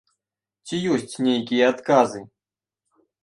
Ці ёсць нейкія адказы?